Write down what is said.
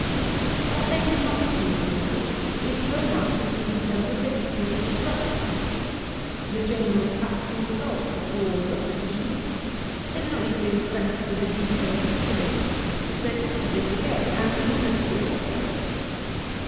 What they do not need to know, is so much of the de tails of the history of destruction ; the general facts and results of wars are sufficient. They do not need to be impressed with the details of killings, which they sensibly forget, and inevitably also.